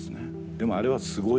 でもあれはすごいですよ。